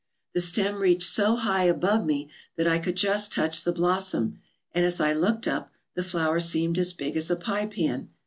The stem reached so high above me that I could just touch the blossom, and, as I looked up, the flower seemed as big as a pie pan.